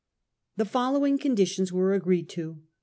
The following conditions were agreed to.